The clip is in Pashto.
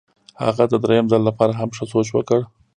هغه د درېیم ځل لپاره هم ښه سوچ وکړ.